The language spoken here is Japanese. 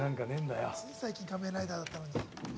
最近は『仮面ライダー』だったのに。